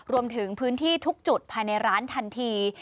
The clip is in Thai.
รวมถึงพื้นที่ทุกจุดภายในร้านทันที